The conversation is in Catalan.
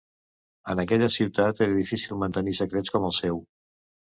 En aquella ciutat era difícil mantenir secrets com el seu.